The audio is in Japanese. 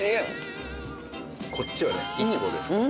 こっちはねイチボです。